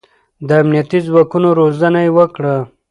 د امنيتي ځواک روزنه يې وکړه.